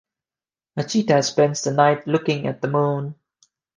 Hachita spends the night looking at the moon.